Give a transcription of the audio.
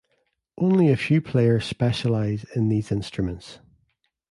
Only a few players specialize in these instruments.